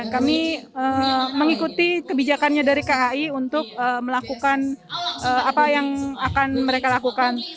kami mengikuti kebijakannya dari kai untuk melakukan apa yang akan mereka lakukan